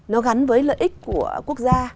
nó gắn với lợi ích của quốc gia